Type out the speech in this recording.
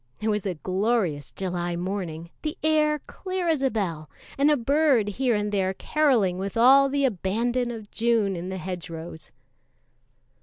It was a glorious July morning, the air clear as a bell, and a bird here and there carolling with all the abandon of June in the hedgerows.